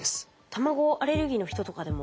卵アレルギーの人とかでも。